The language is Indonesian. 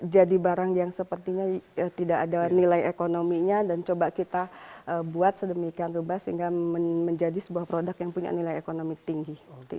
jadi barang yang sepertinya tidak ada nilai ekonominya dan coba kita buat sedemikian rubah sehingga menjadi sebuah produk yang punya nilai ekonomi tinggi